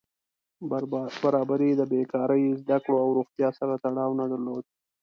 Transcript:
برابري د بېکاري، زده کړو او روغتیا سره تړاو نه درلود.